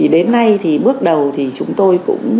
đến nay bước đầu chúng tôi cũng